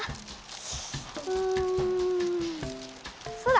うんそうだ。